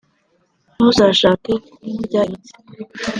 ntuzashake kumurya imitsi.